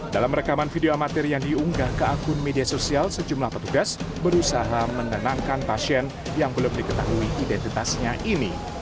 dalam rekaman video amatir yang diunggah ke akun media sosial sejumlah petugas berusaha menenangkan pasien yang belum diketahui identitasnya ini